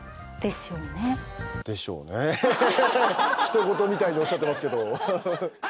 人ごとみたいにおっしゃってますけど。